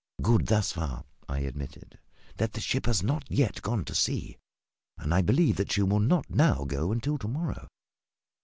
"Good, thus far," I admitted, "that the ship has not yet gone to sea; and I believe that she will not now go until to morrow.